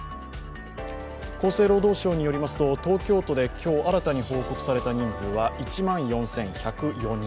厚生労働省によりますと、東京都で今日新たに報告された人数は１万４１０４人。